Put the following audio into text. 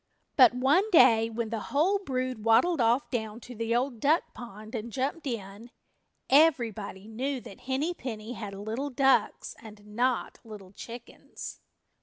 But one day when the whole brood waddled off down to the Old Duck Pond and jumped in everybody knew that Henny Penny had little ducks and not little chickens.